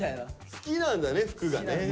好きなんだね服がね。